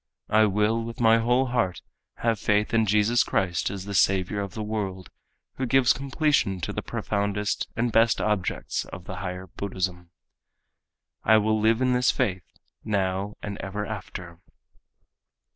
I will with my whole heart have faith in Jesus Christ as the Saviour of the world who gives completion to the profoundest and best objects of the higher Buddhism. I will live in this faith now and ever after.